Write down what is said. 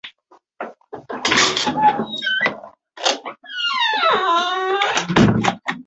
他终于同意了